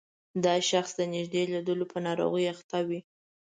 دا شخص د نږدې لیدلو په ناروغۍ اخته وي.